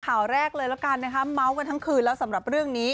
ข่าวแรกเลยละกันนะคะเมาส์กันทั้งคืนแล้วสำหรับเรื่องนี้